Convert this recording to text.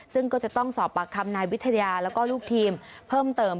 ซึ่งก็จะต้องสอบปากคำนายวิทยาแล้วก็ลูกทีมเพิ่มเติม